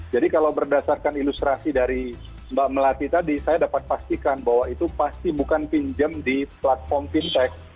jadi kalau berdasarkan ilustrasi dari mbak melati tadi saya dapat pastikan bahwa itu pasti bukan pinjam di platform fintech